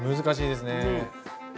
難しいですね。